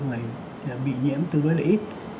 người bị nhiễm tương đối ít